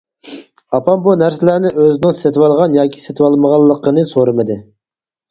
ئاپام بۇ نەرسىلەرنى ئۆزىنىڭ سېتىۋالغان ياكى سېتىۋالمىغانلىقىنى سورىمىدى.